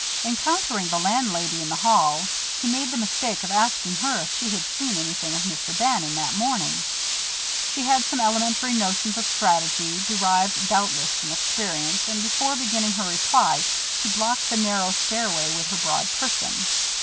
Encountering the landlady in the hall, he made the mistake of asking her if she had seen anything of Mr. Bannon that morning. She had some elementary notions of strategy, derived, doubtless, from experience, and before beginning her reply, she blocked the narrow stairway with her broad person.